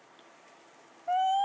うん！